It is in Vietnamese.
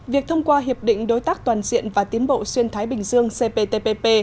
việc thông qua hiệp định đối tác toàn diện và tiến bộ xuyên thái bình dương cptpp